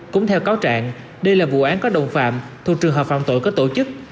cũng theo cáo trạng đây là vụ án có đồng phạm thuộc trường hợp phạm tội có tổ chức